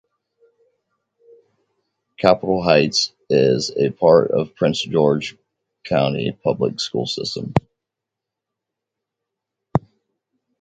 Capitol Heights is a part of the Prince George's County Public Schools system.